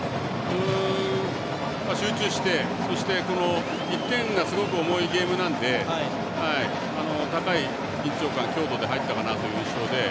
集中して、そして１点がすごく重いゲームなので高い緊張感強度で入ったかなという印象で。